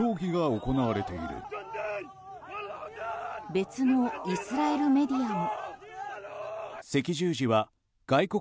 別のイスラエルメディアも。